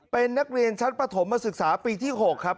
เป็นนักเรียนชั้นประถมมาศึกษาปีที่๖ครับ